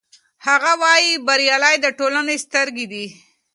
هغه وایي چې خبریال د ټولنې سترګې دي.